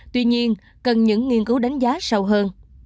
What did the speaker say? tuy nhiên cần những nghiên cứu đánh giá sâu hơn